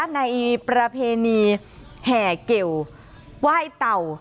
ในประเพณีแห่เกลไหว้เต่า